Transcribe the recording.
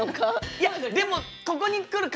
いやでもここに来るか